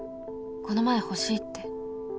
この前欲しいって」。